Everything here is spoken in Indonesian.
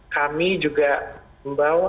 kami juga membawa